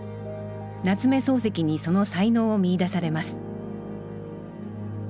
夏目漱石にその才能を見いだされます